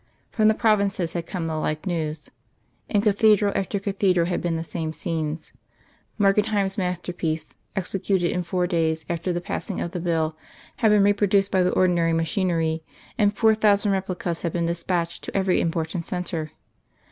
From the provinces had come the like news. In cathedral after cathedral had been the same scenes. Markenheim's masterpiece, executed in four days after the passing of the bill, had been reproduced by the ordinary machinery, and four thousand replicas had been despatched to every important centre.